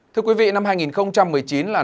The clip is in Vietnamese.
thưa quý vị năm hai nghìn một mươi chín là năm nổi bật